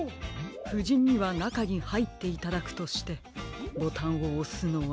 ふじんにはなかにはいっていただくとしてボタンをおすのは。